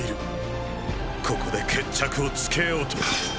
ここで決着をつけようと。